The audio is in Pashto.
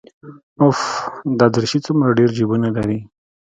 اوف دا دريشي څومره ډېر جيبونه لري.